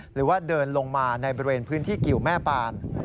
หรือว่าเดินลงมาในบริเวณพื้นที่กิวแม่ปาน